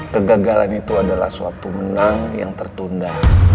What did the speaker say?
kegagalan itu adalah suatu menang yang tertunda